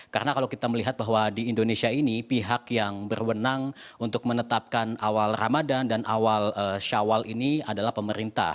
karena kalau kita melihat bahwa di indonesia ini pihak yang berwenang untuk menetapkan awal ramadan dan awal shawwal ini adalah pemerintah